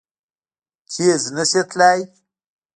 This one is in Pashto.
تېز نه شي تلای!